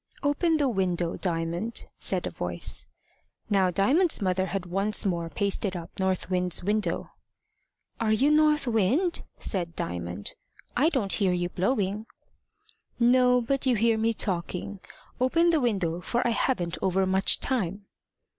"Open the window, Diamond," said a voice. Now Diamond's mother had once more pasted up North Wind's window. "Are you North Wind?" said Diamond: "I don't hear you blowing." "No; but you hear me talking. Open the window, for I haven't overmuch time."